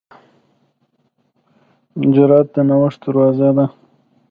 جرأت د نوښت دروازه ده.